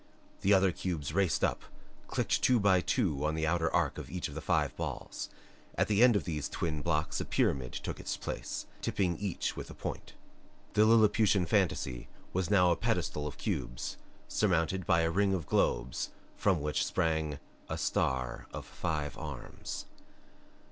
The other cubes raced up, clicked two by two on the outer arc of each of the five balls; at the ends of these twin blocks a pyramid took its place, tipping each with a point. The Lilliputian fantasy was now a pedestal of cubes surmounted by a ring of globes from which sprang a star of five arms.